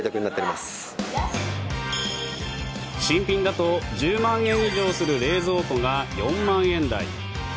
新品だと１０万円以上する冷蔵庫が４万円台。